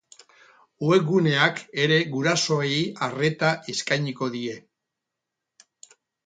Web guneak ere gurasoei arreta eskainiko die.